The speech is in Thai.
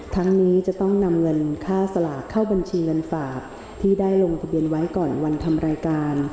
ทั้งนี้จะต้องนำเงินค่าสลากเข้าบัญชีเงินฝากที่ได้ลงทะเบียนไว้ก่อนวันทำรายการ